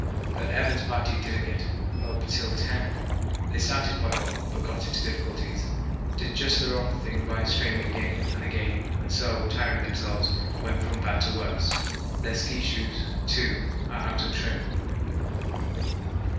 But Evans' party didn't get up till 10. They started quite well, but got into difficulties, did just the wrong thing by straining again and again, and so, tiring themselves, went from bad to worse. Their ski shoes, too, are out of trim.